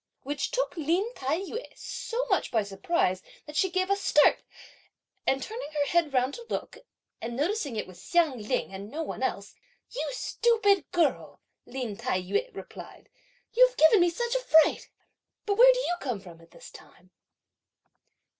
which took Lin Tai yu so much by surprise that she gave a start, and turning her head round to look and noticing that it was Hsiang Ling and no one else; "You stupid girl!" Lin Tai yü replied, "you've given me such a fright! But where do you come from at this time?"